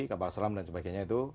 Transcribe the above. kapal selam dan sebagainya itu